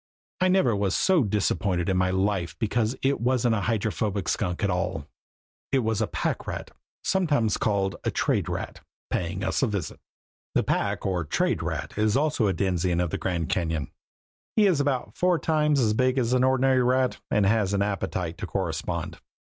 I never was so disappointed in my life because it wasn't a Hydrophobic Skunk at all. It was a pack rat, sometimes called a trade rat, paying us a visit. The pack or trade rat is also a denizen of the Grand Cañon. He is about four times as big as an ordinary rat and has an appetite to correspond.